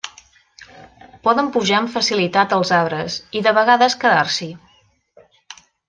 Poden pujar amb facilitat als arbres, i de vegades, quedar-s'hi.